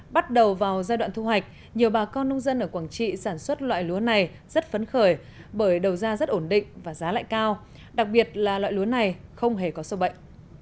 bắt đầu vào giai đoạn thu hoạch nhiều bà con nông dân ở quảng trị sản xuất loại lúa này rất phấn khởi bởi đầu ra rất ổn định và giá lại cao đặc biệt là loại lúa này không hề có sâu bệnh